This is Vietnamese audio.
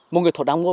một người thổ đám ngôi